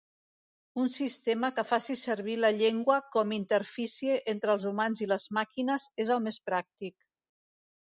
Un sistema que faci servir la llengua com interfície entre els humans i les màquines és el més pràctic.